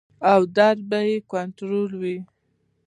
او درد به ئې کنټرول وي -